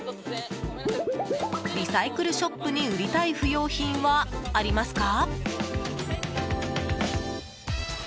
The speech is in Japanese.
リサイクルショップに売りたい不用品はありますか？